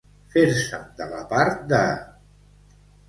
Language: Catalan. Fer-se'n de la part de.